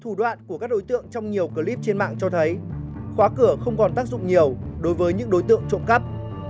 thủ đoạn của các đối tượng trong nhiều clip trên mạng cho thấy khóa cửa không còn tác dụng nhiều đối với những đối tượng trộm cắp